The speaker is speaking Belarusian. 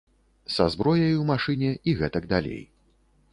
Са зброяй у машыне і гэтак далей.